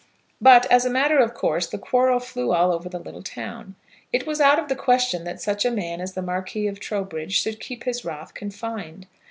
But, as a matter of course, the quarrel flew all over the little town. It was out of the question that such a man as the Marquis of Trowbridge should keep his wrath confined.